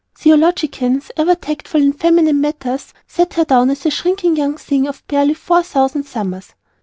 Theologians, ever tactful in feminine matters, set her down as a shrinking young thing of barely four thousand summers.